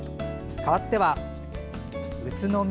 かわっては、宇都宮。